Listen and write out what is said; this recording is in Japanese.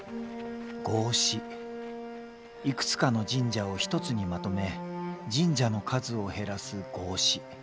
いくつかの神社を一つにまとめ神社の数を減らす合祀。